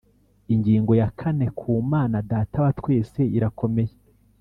Ingingo ya kane Ku Mana data wa twese irakomeye.